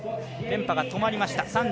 連覇が止まりました。